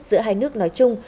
giữa hai nước nói chung